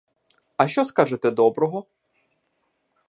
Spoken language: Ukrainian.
А що скажете доброго?